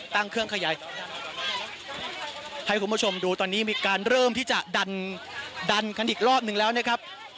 ตั้งเครื่องขยายให้คุณผู้ชมดูตอนนี้มีการเริ่มที่จะดันดันกันอีกรอบนึงแล้วนะครับ